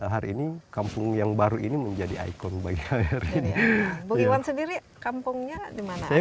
hari ini kampung yang baru ini menjadi icon bagi akhirnya sendiri kampungnya dimana saya